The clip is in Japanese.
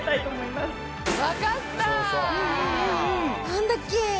何だっけ？